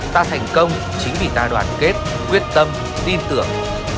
ta thành công chính vì ta đoàn kết quyết tâm tin tưởng